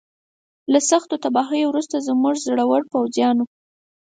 له سختو تباهیو وروسته زموږ زړورو پوځیانو.